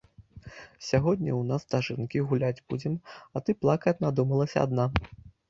Сягоння ў нас дажынкі, гуляць будзем, а ты плакаць надумалася адна.